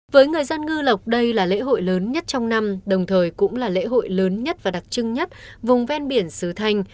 với người dân ngư lộc đây là lễ hội lớn nhất trong năm đồng thời cũng là lễ hội lớn nhất và đặc trưng nhất vùng ven biển sứ thanh